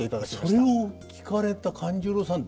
それを聞かれた勘十郎さん